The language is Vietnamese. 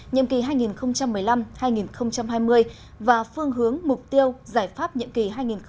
nhiệm kỳ hai nghìn một mươi năm hai nghìn hai mươi và phương hướng mục tiêu giải pháp nhiệm kỳ hai nghìn hai mươi hai nghìn hai mươi năm